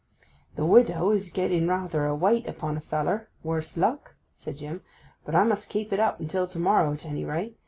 'The widow is getting rather a weight upon a feller, worse luck,' said Jim. 'But I must keep it up until to morrow, at any rate.